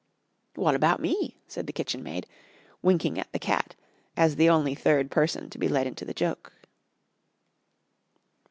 "Wot about me?" said the kitchenmaid, winking at the cat as the only third person to be let into the joke.